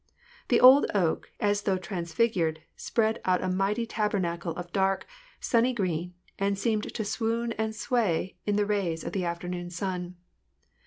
The old oak, as though transfigured, spread out a mighty tabernacle of dark, sunny green, and seemed to swoon and sway in the rays of the afternoon sun.